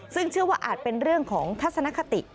ซึ่งเชื่อว่าอาจเป็นเรื่องของทัศนคติ